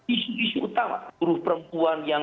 isu isu utama buruh perempuan yang